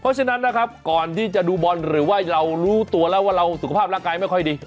เพราะฉะนั้นนะครับก่อนที่จะดูบอลหรือว่าเรารู้ตัวแล้วว่าเราสุขภาพร่างกายไม่ค่อยดี